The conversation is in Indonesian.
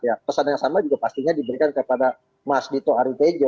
ya pesan yang sama juga pastinya diberikan kepada mas dito aritejo